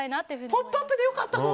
「ポップＵＰ！」で良かったの？